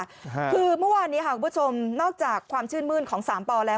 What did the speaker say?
คือเมื่อวานนี้ค่ะคุณผู้ชมนอกจากความชื่นมื้นของสามปอแล้ว